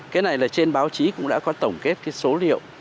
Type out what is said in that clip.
cái này là trên báo chí cũng đã có tổng kết cái số liệu